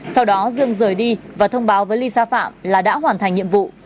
sau đó dương rời đi và thông báo với lisa phạm là đã hoàn thành nhiệm vụ